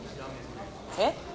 えっ？